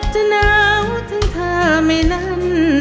จะหนาวถึงเธอไม่นั้น